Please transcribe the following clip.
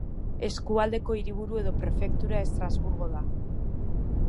Eskualdeko hiriburu edo prefektura Estrasburgo da.